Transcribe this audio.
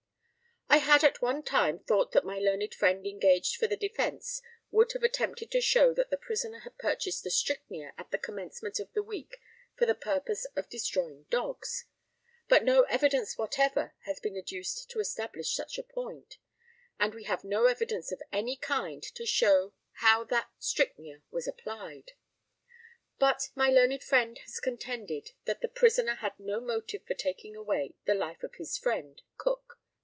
I had at one time thought that my learned friend engaged for the defence would have attempted to show that the prisoner had purchased the strychnia at the commencement of the week for the purpose of destroying dogs; but no evidence whatever has been adduced to establish such a point; and we had no evidence of any kind to show how that strychnia was applied. But my learned friend has contended that the prisoner had no motive for taking away the life of his friend, Cook.